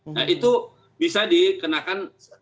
nah itu bisa dikenakan